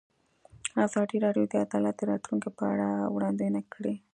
ازادي راډیو د عدالت د راتلونکې په اړه وړاندوینې کړې.